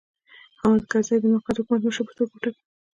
حامد کرزی یې د موقت حکومت مشر په توګه وټاکه.